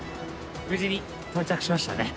無事に到着しましたね。